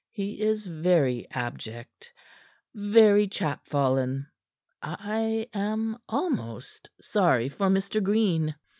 He is very abject; very chap fallen. I am almost sorry for Mr. Green.